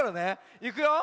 いくよ！